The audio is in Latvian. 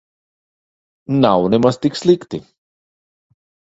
Nav nemaz tik slikti.